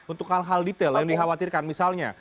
untuk hal hal detail yang dikhawatirkan misalnya